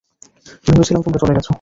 ভেবেছিলাম তোমরা চলে গেছো।